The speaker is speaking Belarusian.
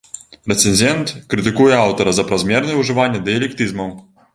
Рэцэнзент крытыкуе аўтара за празмернае ўжыванне дыялектызмаў.